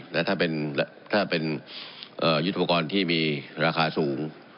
และถ้าเป็นยุทธปกรณ์ที่มีราคาสูง